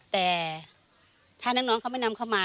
แต่ถ้าน้องเขาไม่นำเข้ามา